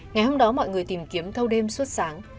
ngày hôm đó mọi người tìm kiếm thâu đêm suốt sáng